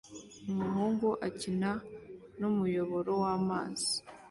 Umuhungu akina numuyoboro wamazi